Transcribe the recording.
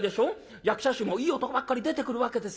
役者衆もいい男ばっかり出てくるわけですよ。